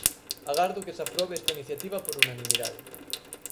Agardo que se aprobe esta iniciativa por unanimidade.